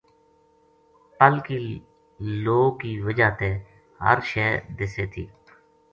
پل کی لو کی وجہ تے ہر شے دسے تھی۔